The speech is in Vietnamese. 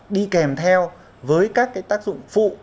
đi kèm theo với các tác dụng phụ